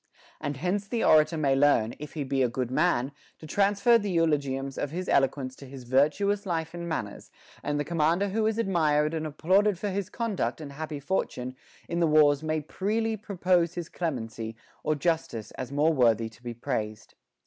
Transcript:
And hence * Demosthenes on the Crown, p. 325, 22. 316 HOW A MAN MAY PRAISE HIMSELF the orator may learn, if he be a good man, to transfer the eulogiums of his eloquence to his virtuous life and man ners ; and the commander who is admired and applauded for his conduct and happy fortune in the wars may freely propose his clemency or justice as more worthy to be praised.